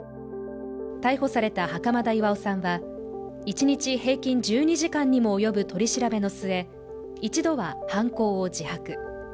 逮捕された袴田巖さんは、一日平均１２時間にも及ぶ取り調べの末、一度は犯行を自白。